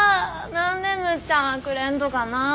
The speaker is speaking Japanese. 何でむっちゃんはくれんとかなぁ。